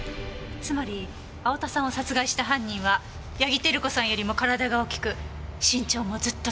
つまり青田さんを殺害した犯人は八木照子さんよりも体が大きく身長もずっと高い人間。